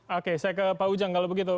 oke saya ke pak ujang kalau begitu